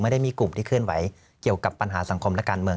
ได้มีกลุ่มที่เคลื่อนไหวเกี่ยวกับปัญหาสังคมและการเมือง